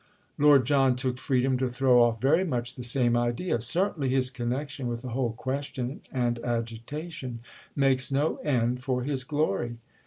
Lord John took freedom to throw off very much the same idea. "Certainly his connection with the whole question and agitation makes no end for his glory."